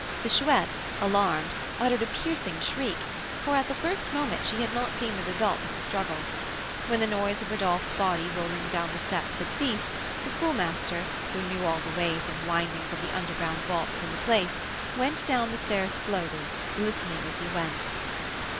The Chouette, alarmed, uttered a piercing shriek; for at the first moment she had not seen the result of the struggle. When the noise of Rodolph's body rolling down the steps had ceased, the Schoolmaster, who knew all the ways and windings of the underground vaults in the place, went down the stairs slowly, listening as he went.